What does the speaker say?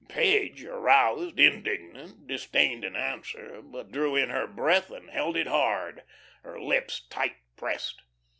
Page, aroused, indignant, disdained an answer, but drew in her breath and held it hard, her lips tight pressed.